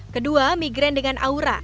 kedua migraine dengan aura